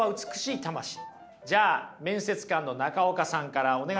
じゃあ面接官の中岡さんからお願いします。